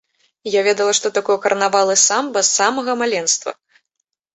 Я ведала, што такое карнавал і самба з самага маленства.